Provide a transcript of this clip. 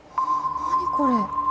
何これ？